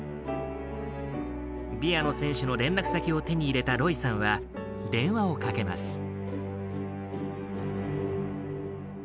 ビアノ選手の連絡先を手に入れたロイさんは、電話をかけます。